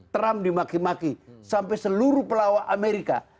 trump dimaki maki sampai seluruh pelawak amerika